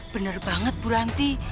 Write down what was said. bener banget buranti